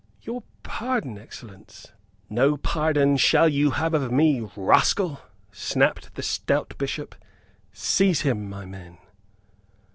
"Your pardon, excellence " "No pardon shall you have of me, rascal!" snapped the stout Bishop. "Seize him, my men!"